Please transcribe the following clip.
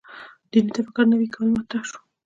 دیني تفکر نوي کول مطرح شو.